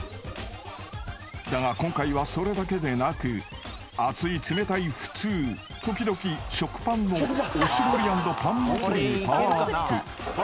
［だが今回はそれだけでなく熱い冷たい普通時々食パンのおしぼり＆パン祭りにパワーアップ］